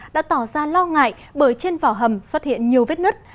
đã tỏ ra lo ngại bởi trên vỏ hầm xuất hiện nhiều vết nứt